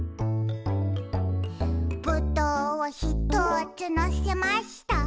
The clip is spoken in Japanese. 「ぶどうをひとつのせました」